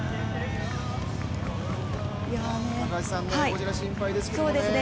こちら心配ですけれどもね